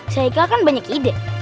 si aikal kan banyak ide